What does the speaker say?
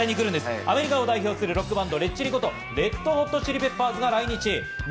アメリカを代表するロックバンド、レッチリこと、レッド・ホット・チリ・ペッパーズが来日。